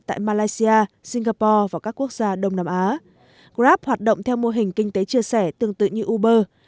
tại malaysia singapore và các quốc gia đông nam á grab hoạt động theo mô hình kinh tế chia sẻ tương tự như uber